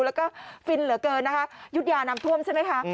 แล้วก็ฟินเหลือเกินนะคะยุธยาน้ำท่วมใช่ไหมคะ